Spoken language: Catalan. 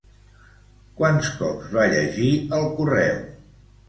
Quants cops va llegir el correu?